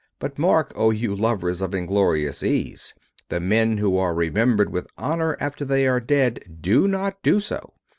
But mark, O you lovers of inglorious ease, the men who are remembered with honor after they are dead do not do so!